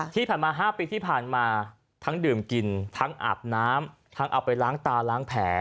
ที่ผ่านมา๕ปีที่ผ่านมาทั้งดื่มกินทั้งอาบน้ำทั้งเอาไปล้างตาล้างแผล